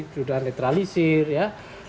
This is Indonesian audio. sudah netralisir ya